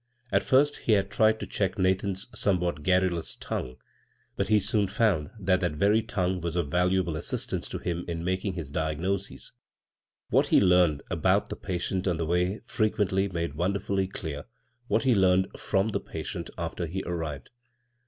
At first he had tried to check Nathan's some what garrulous tong^ue ; but he soon found that that very tongue was of valuable assist ance to him in making his diagnoses — what he learned about the patient on the way fre quently made wonderfully clear what he learned /rom the patient after he arrived.